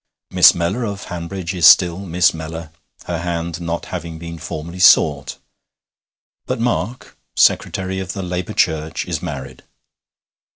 Miss Mellor of Hanbridge is still Miss Mellor, her hand not having been formally sought. But Mark, secretary of the Labour Church, is married.